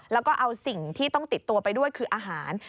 แล้วก็เอาสิ่งที่ต้องติดตัวไปด้วยคืออาหาร